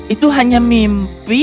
itu hanya mimpi